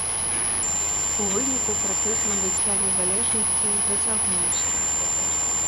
У выніку працэс набыцця незалежнасці зацягнуўся.